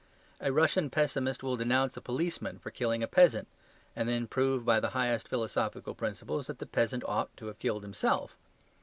A Russian pessimist will denounce a policeman for killing a peasant, and then prove by the highest philosophical principles that the peasant ought to have killed himself.